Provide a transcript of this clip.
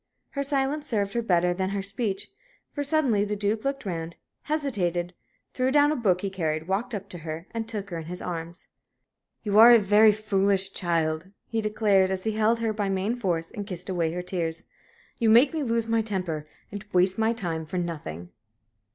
Her silence served her better than her speech, for suddenly the Duke looked round, hesitated, threw down a book he carried, walked up to her, and took her in his arms. "You are a very foolish child," he declared, as he held her by main force and kissed away her tears. "You make me lose my temper and waste my time for nothing."